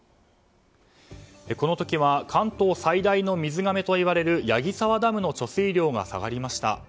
この時は関東最大の水がめといわれる矢木沢ダムの貯水量が下がりました。